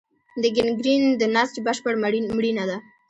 د ګینګرین د نسج بشپړ مړینه ده.